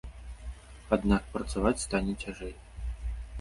Аднак працаваць стане цяжэй.